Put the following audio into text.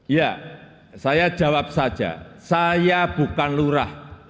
ya saya jawab saja saya bukan lurah